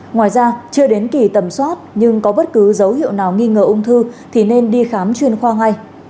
ngoài ra chưa đến kỳ tầm soát nhưng có bất cứ dấu hiệu nào nghi ngờ ung thư thì nên đi khám chuyên khoa ngay